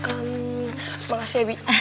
ehm makasih ya bi